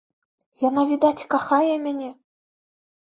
Яна, відаць, кахае мяне.